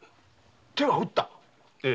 手は打った⁉ええ。